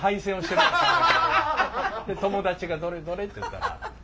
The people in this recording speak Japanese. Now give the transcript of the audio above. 友達がどれどれって言ったら。